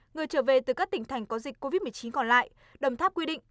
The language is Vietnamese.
người trở về từ các tỉnh thành có dịch covid một mươi chín còn lại đồng tháp quy định